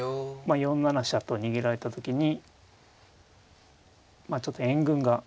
４七飛車と逃げられた時にまあちょっと援軍が。